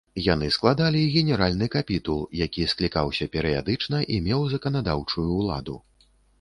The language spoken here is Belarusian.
Яны складалі генеральны капітул, які склікаўся перыядычна і меў заканадаўчую ўладу.